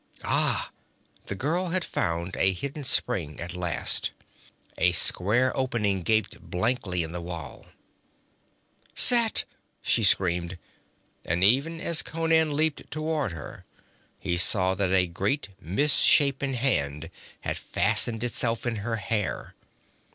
'Ah!' The girl had found a hidden spring at last; a square opening gaped blackly in the wall. 'Set!' she screamed, and even as Conan leaped toward her, he saw that a great misshapen hand had fastened itself in her hair.